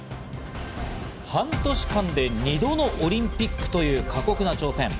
半年間で２度のオリンピックという過酷な挑戦。